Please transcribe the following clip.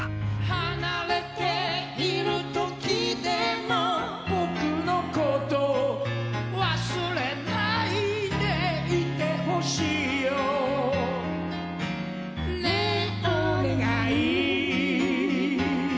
離れている時でもぼくのこと忘れないでいてほしいよねぇおねがい